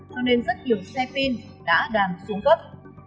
cho nên rất nhiều xe pin đã đang xuống cấp